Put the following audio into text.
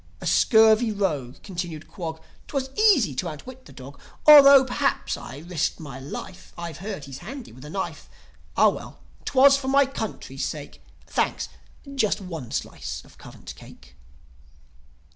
"A scurvy rogue!" continued Quog. 'Twas easy to outwit the dog. Altho', perhaps, I risked my life I've heard he's handy with a knife. Ah, well, 'twas for my country's sake ... (Thanks; just one slice of currant cake.)"